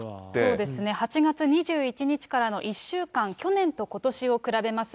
そうですね、８月２１日からの１週間、去年とことしを比べます。